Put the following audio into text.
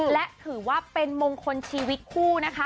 และถือว่าเป็นมงคลชีวิตคู่นะคะ